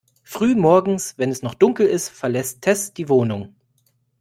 Früh morgens, wenn es noch dunkel ist, verlässt Tess die Wohnung.